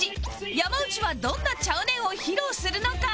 山内はどんな「ちゃうねん」を披露するのか？